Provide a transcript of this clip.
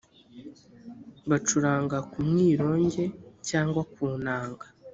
bacuranga ku mwironge cyangwa ku nanga.